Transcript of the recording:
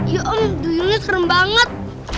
ya om dulunya serem banget